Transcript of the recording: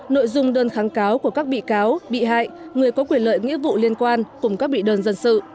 nội dung đơn kháng cáo của các bị cáo bị hại người có quyền lợi nghĩa vụ liên quan cùng các bị đơn dân sự